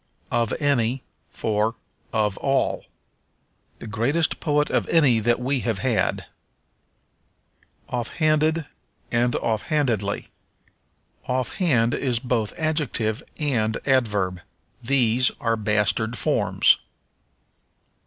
Of Any for Of All. "The greatest poet of any that we have had." Offhanded and Offhandedly. Offhand is both adjective and adverb; these are bastard forms.